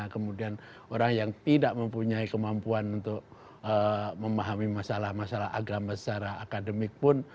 kemudian orang yang tidak mempunyai kemampuan untuk memahami masalah masalah agama secara akademik pun